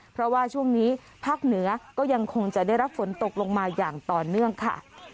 เพราะว่าช่วงนี้ภาคเหนือก็ยังคงจะได้รับฝนตกลงมาอย่างต่อเนื่องค่ะ